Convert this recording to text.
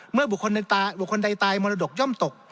เมื่อบุคคลใดตายมณฑกย่อมตก